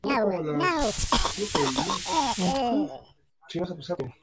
Todavía es una posada hoy en día.